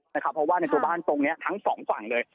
เพราะว่าในตัวบ้านตรงนี้ทั้งสองฝั่งเลย